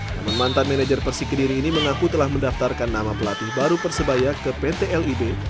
namun mantan manajer persik kediri ini mengaku telah mendaftarkan nama pelatih baru persebaya ke pt lib